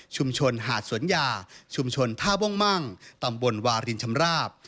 หาดสวนยาชุมชนท่าม่วงมั่งตำบลวารินชำราบ